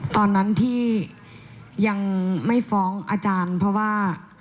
ตอนนั้นที่ยังไม่ฟ้องอาจารย์เพราะว่า